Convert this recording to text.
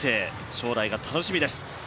将来が楽しみです。